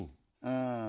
うん。